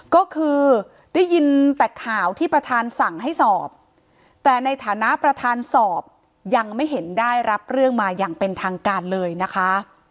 ก็คือได้ยินแต่ข่าวที่ประธานสั่งให้สอบแต่ในฐานะประธานสอบยังไม่เห็นได้รับเรื่องมาอย่างเป็นทางการเลยนะคะ